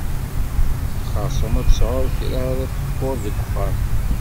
Xersum ad tesεuḍ kra ara teḥkuḍ deg uxxam.